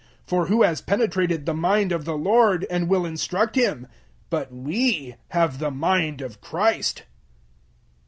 002:016 For who has penetrated the mind of the Lord, and will instruct Him? But *we* have the mind of Christ.